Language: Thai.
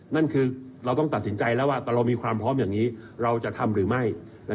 นั่นคือเราต้องตัดสินใจแล้วว่าเรามีความพร้อมอย่างนี้เราจะทำหรือไม่